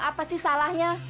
apa sih salahnya